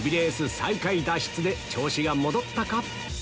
最下位脱出で調子が戻ったか？